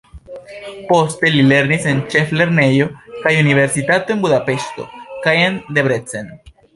Poste li lernis en ĉeflernejo kaj universitato en Budapeŝto kaj en Debrecen.